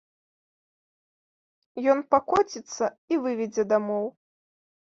Ён пакоціцца і выведзе дамоў.